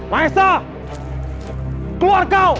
maesah keluar kau